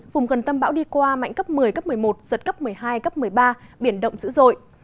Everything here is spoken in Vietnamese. vùng gần tâm bão đi qua mạnh cấp một mươi cấp một mươi một giật cấp một mươi hai cấp một mươi ba biển động dữ dội